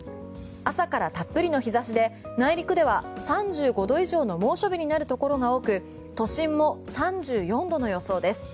朝からたっぷりの日差しで内陸では３５度以上の猛暑日になるところが多く都心も３４度の予想です。